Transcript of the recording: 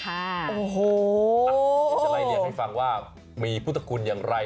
จะใดเลี่ยงให้ฟังว่ามีพุทรคุณอย่างไร